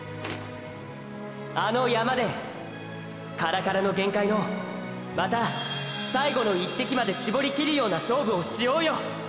あの山でカラカラの限界のまた最後の一滴まで絞りきるような勝負をしようよ。